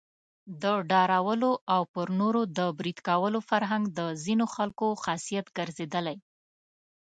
د ډارولو او پر نورو د بريد کولو فرهنګ د ځینو خلکو خاصيت ګرځېدلی.